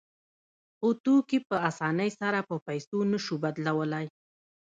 خو توکي په اسانۍ سره په پیسو نشو بدلولی